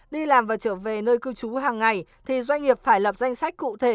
đi làm và trở về nơi cư trú hàng ngày thì doanh nghiệp phải lập danh sách cụ thể